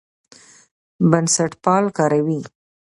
بنسټپال کاروي.